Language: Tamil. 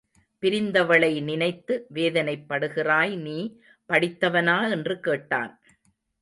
பிரிந்தவளை நினைத்து வேதனைப்படுகிறாய் நீ படித்தவனா என்று கேட்டான்.